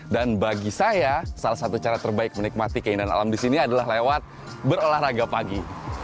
dan bagi saya salah satu cara terbaik menikmati keindahan alam di sini adalah lewat berolahraga pagi